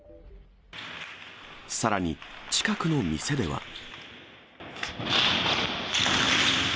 さらに近くの店では。